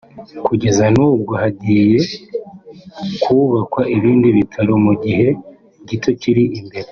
kugeza n’ubwo hagiye kubakwa ibindi bitaro mugihe gito kiri imbere”